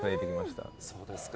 そうですか。